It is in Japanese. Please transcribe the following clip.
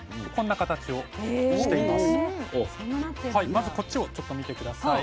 まずこっちをちょっと見て下さい。